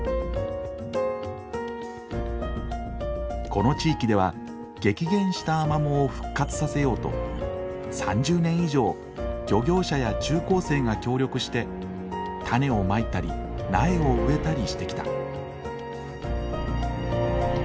この地域では激減したアマモを復活させようと３０年以上漁業者や中高生が協力して種をまいたり苗を植えたりしてきた。